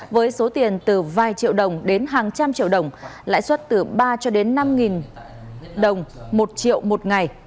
với số tiền từ vài triệu đồng đến hàng trăm triệu đồng lãi suất từ ba cho đến năm đồng một triệu một ngày